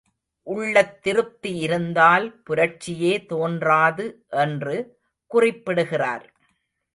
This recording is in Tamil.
உள்ளத் திருப்தி இருந்தால் புரட்சியே தோன்றாது என்று குறிப்பிடுகிறார்.